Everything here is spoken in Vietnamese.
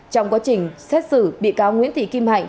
trong quá trình xét xử bị cáo nguyễn thị kim hạnh